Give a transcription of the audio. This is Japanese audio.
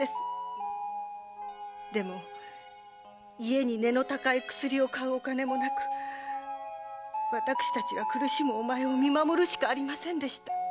でも家に値の高い薬を買うお金もなく私たちは苦しむお前を見守るしかありませんでした。